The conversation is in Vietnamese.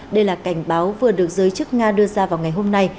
đây là cảnh báo vừa được giới chức nga đưa ra vào ngày hôm nay